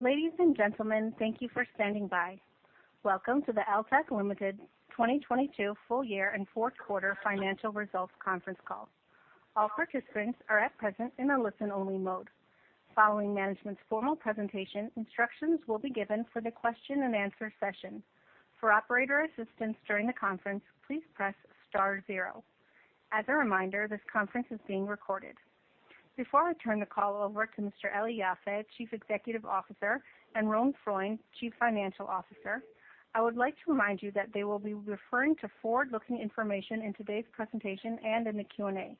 Ladies and gentlemen, thank you for standing by. Welcome to the Eltek Ltd. 2022 full year and 4th quarter financial results conference call. All participants are at present in a listen-only mode. Following management's formal presentation, instructions will be given for the question and answer session. For operator assistance during the conference, please press star zero. As a reminder, this conference is being recorded. Before I turn the call over to Mr. Eli Yaffe, Chief Executive Officer, and Ron Freund, Chief Financial Officer, I would like to remind you that they will be referring to forward-looking information in today's presentation and in the Q&A.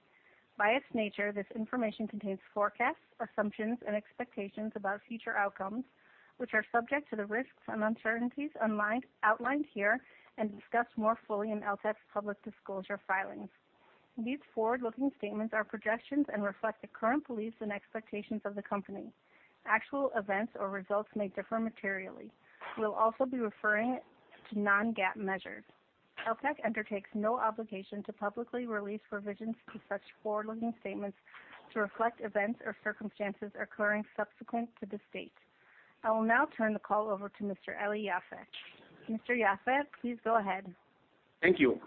By its nature, this information contains forecasts, assumptions, and expectations about future outcomes, which are subject to the risks and uncertainties outlined here and discussed more fully in Eltek's public disclosure filings. These forward-looking statements are projections and reflect the current beliefs and expectations of the company. Actual events or results may differ materially. We'll also be referring to non-GAAP measures. Eltek undertakes no obligation to publicly release revisions to such forward-looking statements to reflect events or circumstances occurring subsequent to the date. I will now turn the call over to Mr. Eli Yaffe. Mr. Yaffe, please go ahead. Thank you.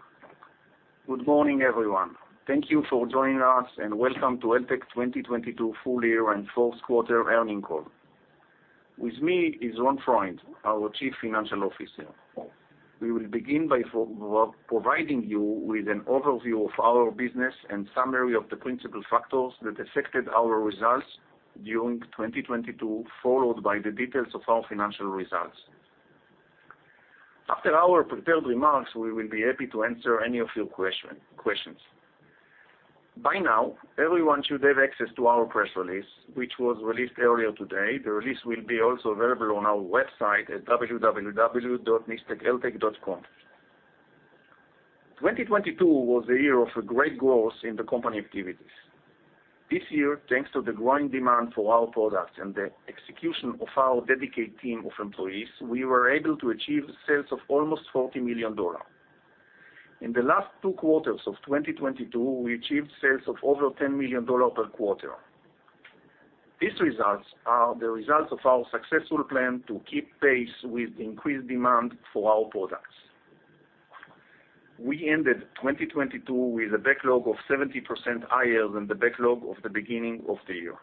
Good morning, everyone. Thank you for joining us, welcome to Eltek 2022 full year and fourth quarter earning call. With me is Ron Freund, our Chief Financial Officer. We will begin by providing you with an overview of our business and summary of the principal factors that affected our results during 2022, followed by the details of our financial results. After our prepared remarks, we will be happy to answer any of your questions. By now, everyone should have access to our press release, which was released earlier today. The release will be also available on our website at www.mistekeltek.com. 2022 was the year of a great growth in the company activities. This year, thanks to the growing demand for our products and the execution of our dedicated team of employees, we were able to achieve sales of almost $40 million. In the last two quarters of 2022, we achieved sales of over $10 million per quarter. These results are the results of our successful plan to keep pace with the increased demand for our products. We ended 2022 with a backlog of 70% higher than the backlog of the beginning of the year.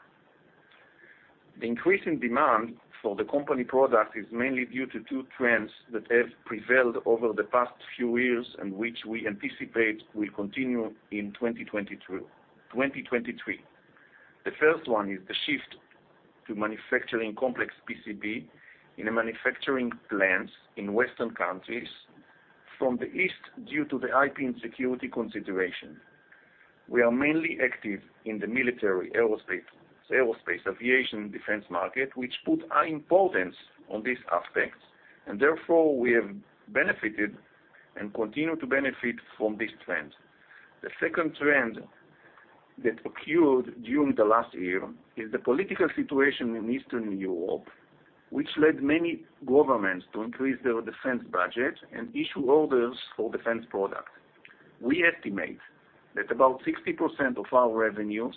The increase in demand for the company product is mainly due to two trends that have prevailed over the past few years and which we anticipate will continue in 2020 through 2023. The first one is the shift to manufacturing complex PCB in a manufacturing plants in Western countries from the East due to the IP security consideration. We are mainly active in the military, aerospace, aviation, defense market, which put high importance on these aspects, and therefore we have benefited and continue to benefit from this trend. The second trend that occurred during the last year is the political situation in Eastern Europe, which led many governments to increase their defense budget and issue orders for defense products. We estimate that about 60% of our revenues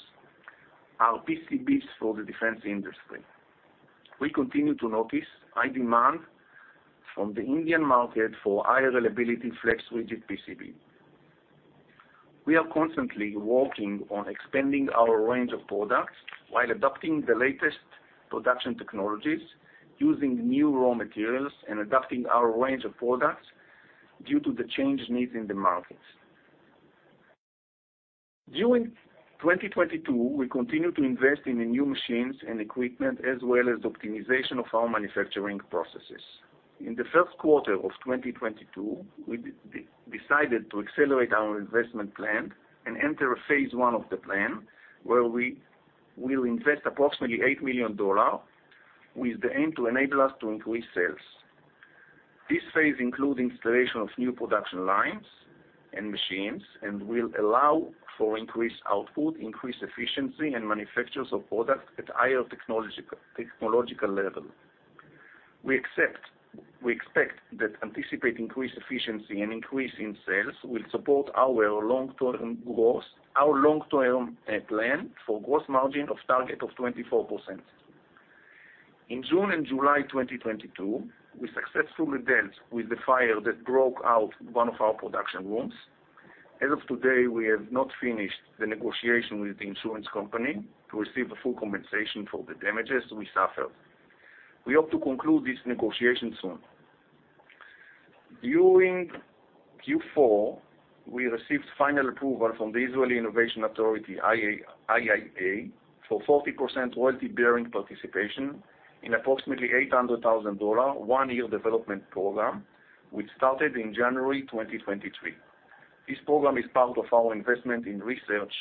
are PCBs for the defense industry. We continue to notice high demand from the Indian market for higher reliability Flex-rigid PCB. We are constantly working on expanding our range of products while adopting the latest production technologies, using new raw materials and adapting our range of products due to the changed needs in the markets. During 2022, we continued to invest in the new machines and equipment as well as optimization of our manufacturing processes. In the first quarter of 2022, we decided to accelerate our investment plan and enter a phase I of the plan where we will invest approximately $8 million with the aim to enable us to increase sales. This phase include installation of new production lines and machines and will allow for increased output, increased efficiency and manufactures of products at higher technology technological level. We expect that anticipate increased efficiency and increase in sales will support our long-term growth, our long-term plan for growth margin of target of 24%. In June and July 2022, we successfully dealt with the fire that broke out one of our production rooms. As of today, we have not finished the negotiation with the insurance company to receive the full compensation for the damages we suffered. We hope to conclude this negotiation soon. During Q4, we received final approval from the Israel Innovation Authority, IIA, for 40% royalty-bearing participation in approximately $800,000, one-year development program, which started in January 2023. This program is part of our investment in research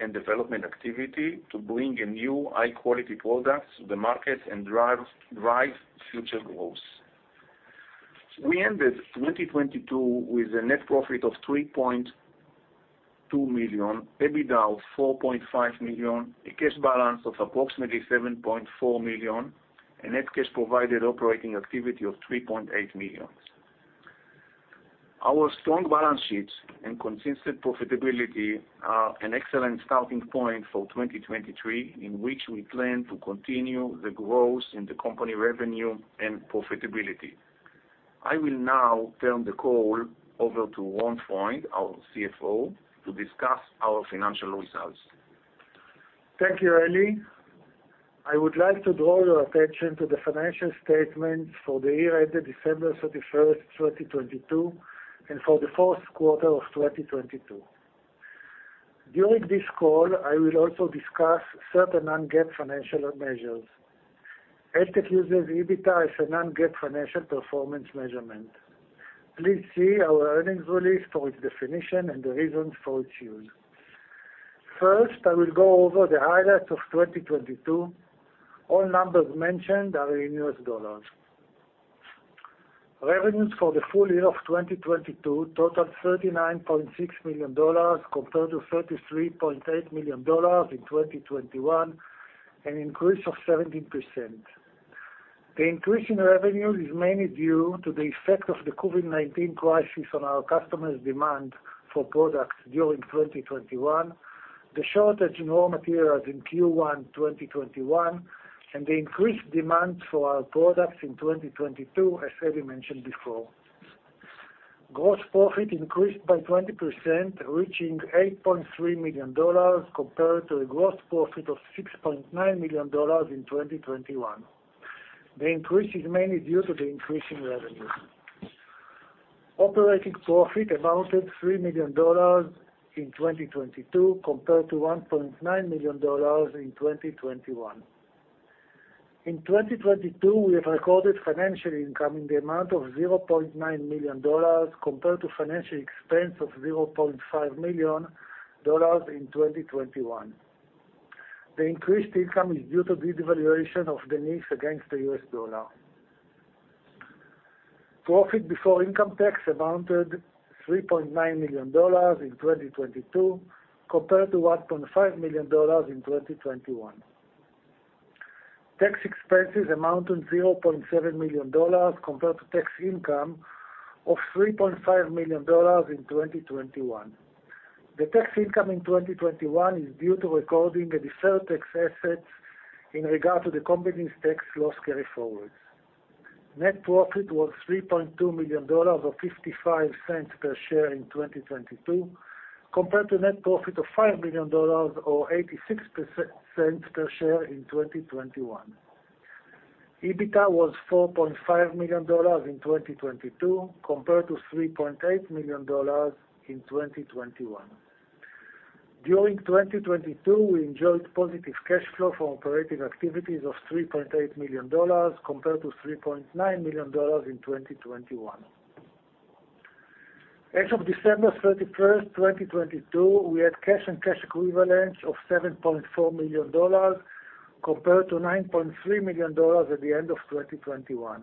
and development activity to bring a new high-quality products to the market and drive future growth. We ended 2022 with a net profit of $3.2 million, EBITDA of $4.5 million, a cash balance of approximately $7.4 million, and net cash provided operating activity of $3.8 millions. Our strong balance sheets and consistent profitability are an excellent starting point for 2023, in which we plan to continue the growth in the company revenue and profitability. I will now turn the call over to Ron Freund, our CFO, to discuss our financial results. Thank you, Eli. I would like to draw your attention to the financial statements for the year ended December 31st, 2022, and for the 4th quarter of 2022. During this call, I will also discuss certain non-GAAP financial measures. Eltek uses EBITDA as a non-GAAP financial performance measurement. Please see our earnings release for its definition and the reasons for its use. First, I will go over the highlights of 2022. All numbers mentioned are in U.S. dollar dollars. Revenues for the full year of 2022 totaled $39.6 million compared to $33.8 million in 2021, an increase of 17%. The increase in revenue is mainly due to the effect of the COVID-19 crisis on our customers' demand for products during 2021, the shortage in raw materials in Q1, 2021, and the increased demand for our products in 2022, as Eli mentioned before. Gross profit increased by 20%, reaching $8.3 million compared to a gross profit of $6.9 million in 2021. The increase is mainly due to the increase in revenue. Operating profit amounted $3 million in 2022 compared to $1.9 million in 2021. In 2022, we have recorded financial income in the amount of $0.9 million compared to financial expense of $0.5 million in 2021. The increased income is due to the devaluation of the nis against the U.S. dollar. Profit before income tax amounted $3.9 million in 2022 compared to $1.5 million in 2021. Tax expenses amounted $0.7 million compared to tax income of $3.5 million in 2021. The tax income in 2021 is due to recording a deferred tax asset in regard to the company's tax loss carryforwards. Net profit was $3.2 million or $0.55 per share in 2022 compared to net profit of $5 million or $0.86 per share in 2021. EBITDA was $4.5 million in 2022 compared to $3.8 million in 2021. During 2022, we enjoyed positive cash flow from operating activities of $3.8 million compared to $3.9 million in 2021. As of December 31st, 2022, we had cash and cash equivalents of $7.4 million compared to $9.3 million at the end of 2021.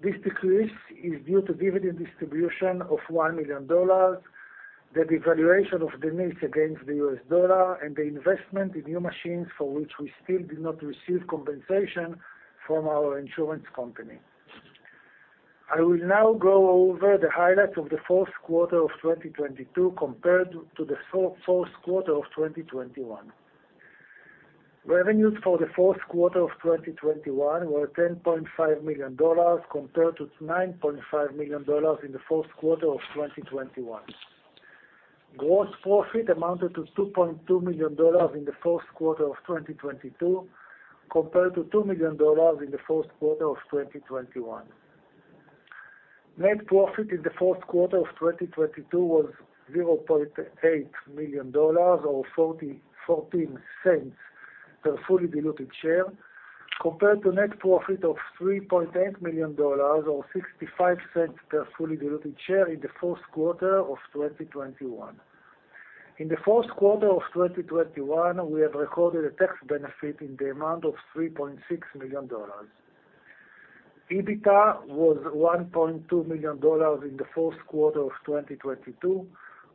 This decrease is due to dividend distribution of $1 million, the devaluation of the nis against the U.S. dollar, and the investment in new machines for which we still did not receive compensation from our insurance company. I will now go over the highlights of the fourth quarter of 2022 compared to the fourth quarter of 2021. Revenues for the fourth quarter of 2021 were $10.5 million compared to $9.5 million in the fourth quarter of 2021. Gross profit amounted to $2.2 million in the fourth quarter of 2022 compared to $2 million in the fourth quarter of 2021. Net profit in the fourth quarter of 2022 was $0.8 million or $0.44 per fully diluted share compared to net profit of $3.8 million or $0.65 per fully diluted share in the fourth quarter of 2021. In the fourth quarter of 2021, we have recorded a tax benefit in the amount of $3.6 million. EBITDA was $1.2 million in the fourth quarter of 2022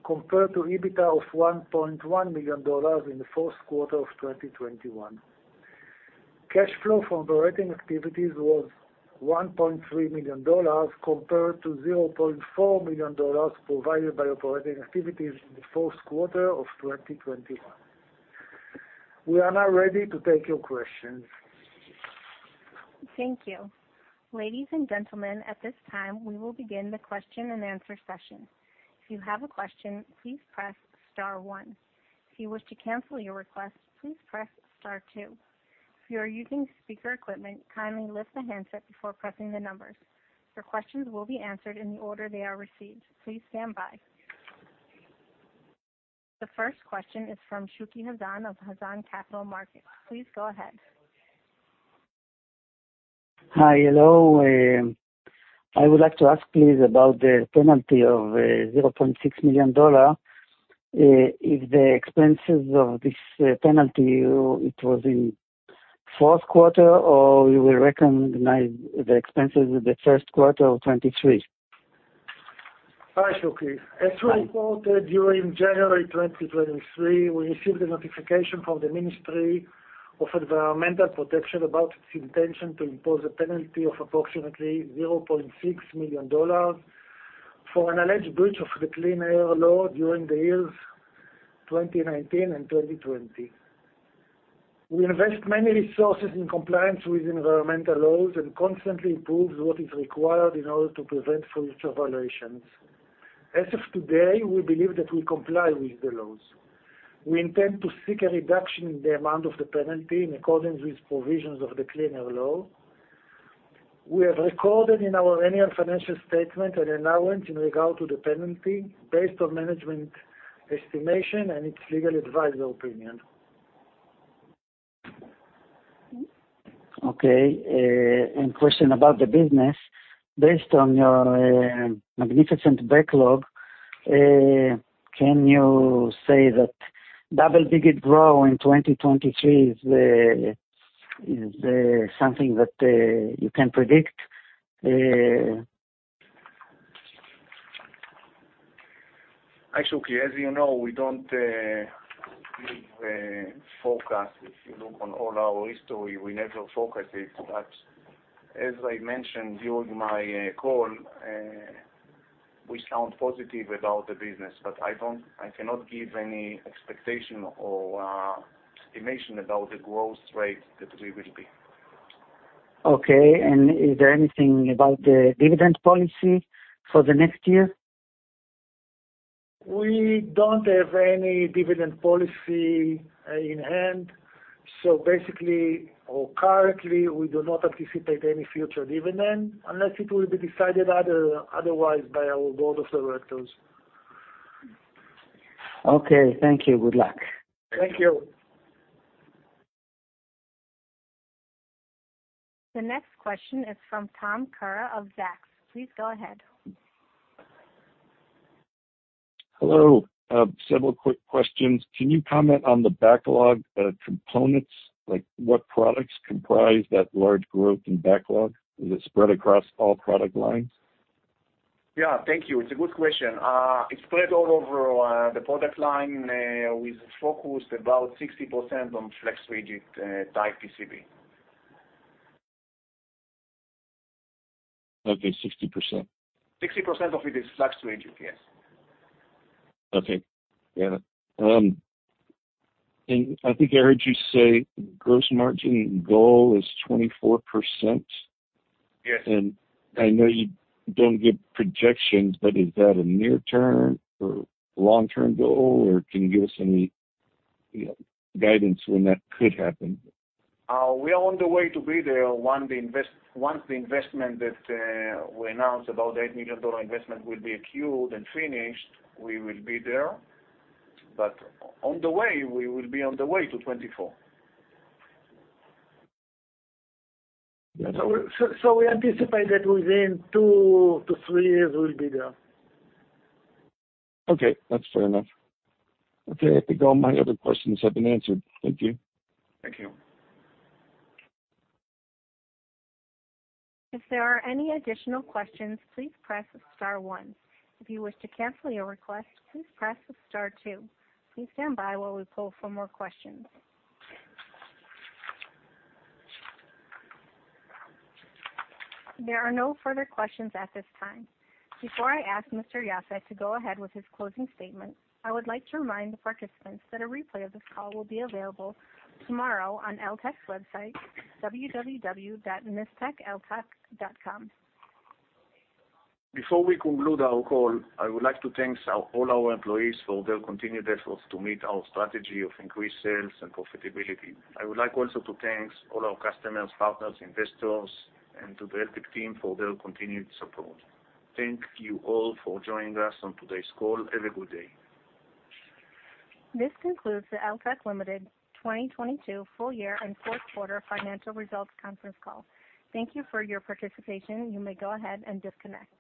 compared to EBITDA of $1.1 million in the fourth quarter of 2021. Cash flow from operating activities was $1.3 million compared to $0.4 million provided by operating activities in the fourth quarter of 2021. We are now ready to take your questions. Thank you. Ladies and gentlemen, at this time, we will begin the question-and-answer session. If you have a question, please press star one. If you wish to cancel your request, please press star two. If you are using speaker equipment, kindly lift the handset before pressing the numbers. Your questions will be answered in the order they are received. Please stand by. The first question is from Shuki Hazan of Hazan Capital Markets. Please go ahead. Hi. Hello. I would like to ask please about the penalty of, $0.6 million. If the expenses of this, penalty, it was in fourth quarter, or you will recognize the expenses in the first quarter of 2023? Hi, Shuki. As we reported during January 2023, we received a notification from the Ministry of Environmental Protection about its intention to impose a penalty of approximately $0.6 million for an alleged breach of the Clean Air Law during the years 2019 and 2020. We invest many resources in compliance with environmental laws and constantly improve what is required in order to prevent future violations. As of today, we believe that we comply with the laws. We intend to seek a reduction in the amount of the penalty in accordance with provisions of the Clean Air Law. We have recorded in our annual financial statement an allowance in regard to the penalty based on management estimation and its legal advisor opinion. Okay. Question about the business. Based on your magnificent backlog, can you say that double-digit growth in 2023 is something that you can predict? Actually, as you know, we don't give forecasts. If you look on all our history, we never forecast it. As I mentioned during my call, we sound positive about the business, but I cannot give any expectation or estimation about the growth rate that we will be. Okay, is there anything about the dividend policy for the next year? We don't have any dividend policy in hand. Basically or currently, we do not anticipate any future dividend unless it will be decided otherwise by our board of directors. Okay, thank you. Good luck. Thank you. The next question is from Tom Kerr of Zacks. Please go ahead. Hello. Several quick questions. Can you comment on the backlog, components? Like, what products comprise that large growth in backlog? Is it spread across all product lines? Yeah, thank you. It's a good question. It's spread all over the product line with focus about 60% on flex rigid type PCB. Okay, 60%. 60% of it is flex rigid, yes. Okay. Yeah. I think I heard you say gross margin goal is 24%. Yes. I know you don't give projections, but is that a near-term or long-term goal, or can you give us any, you know, guidance when that could happen? We are on the way to be there. One, once the investment that we announced, about $8 million investment, will be accrued and finished, we will be there. On the way, we will be on the way to 2024. We anticipate that within two to three years we'll be there. Okay, that's fair enough. Okay, I think all my other questions have been answered. Thank you. Thank you. If there are any additional questions, please press star one. If you wish to cancel your request, please press star two. Please stand by while we poll for more questions. There are no further questions at this time. Before I ask Mr. Yaffe to go ahead with his closing statement, I would like to remind the participants that a replay of this call will be available tomorrow on Eltek's website, www.mistekeltek.com. Before we conclude our call, I would like to thanks all our employees for their continued efforts to meet our strategy of increased sales and profitability. I would like also to thanks all our customers, partners, investors, and to the Eltek team for their continued support. Thank you all for joining us on today's call. Have a good day. This concludes the Eltek Ltd. 2022 full year and fourth quarter financial results conference call. Thank you for your participation. You may go ahead and disconnect.